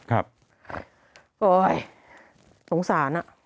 โฆษานอ่ะ